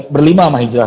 ber lima sama hijrah